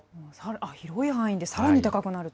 広い範囲でさらに高くなると。